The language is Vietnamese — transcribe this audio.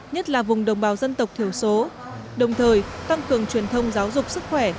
nhất là vùng đồng bào dân tộc thiểu số đồng thời tăng cường truyền thông giáo dục sức khỏe